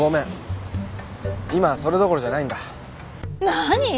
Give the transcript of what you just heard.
何？